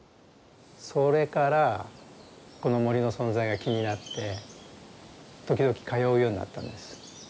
それからこの森の存在が気になって時々通うようになったんです。